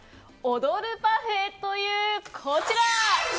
踊るパフェというこちら。